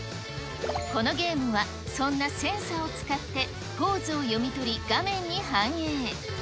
このゲームは、そんなセンサを使って、ポーズを読み取り、画面に反映。